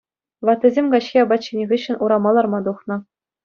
Ваттисем каҫхи апат ҫинӗ хыҫҫӑн урама ларма тухнӑ.